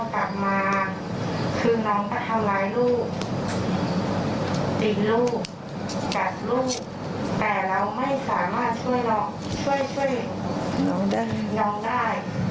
แต่เราไม่สามารถช่วยน้องช่วยน้องได้